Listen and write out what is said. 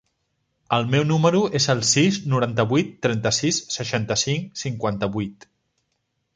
El meu número es el sis, noranta-vuit, trenta-sis, seixanta-cinc, cinquanta-vuit.